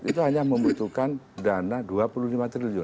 itu hanya membutuhkan dana dua puluh lima triliun